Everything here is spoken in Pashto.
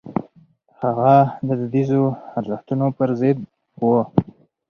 هغه د دودیزو ارزښتونو پر ضد و.